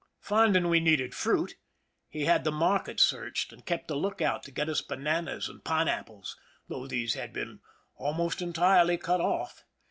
Finding we needed fruit, he had the market searched, and kept a lookout to get us bananas and pineapples, though these had been almost entirely cut off.